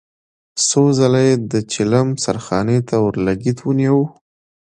څو ځله يې د چيلم سرخانې ته اورلګيت ونيو.